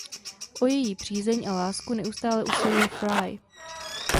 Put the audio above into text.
O její přízeň a lásku neustále usiluje Fry.